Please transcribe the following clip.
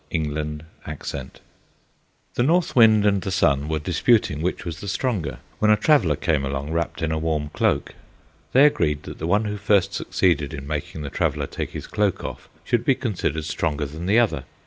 Orthographic version The North Wind and the Sun were disputing which was the stronger, when a traveler came along wrapped in a warm cloak. They agreed that the one who first succeeded in making the traveler take his cloak off should be considered stronger than the other.